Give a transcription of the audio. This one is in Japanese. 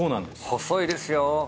細いですよ。